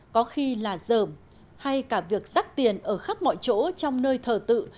có khi là dởm hay cả việc rắc tiền ở khắp mọi chỗ trong nơi thờ tự